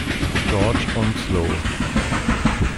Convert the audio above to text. Georges Onslow